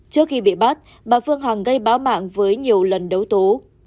trước khi bị bắt bà phương hằng gây báo mạng với nhiều lần đấu tố